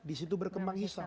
disitu berkembang hisap